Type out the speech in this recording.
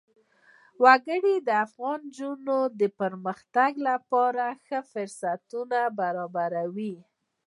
وګړي د افغان نجونو د پرمختګ لپاره ښه فرصتونه برابروي.